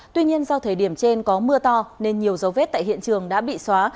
tuy nhiên do thời điểm trên có mưa to nên nhiều dấu vết tại hiện trường đã bị xóa